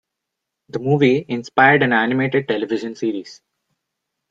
The movie inspired an animated television series.